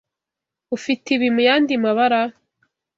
Ufite ibi muyandi mabara?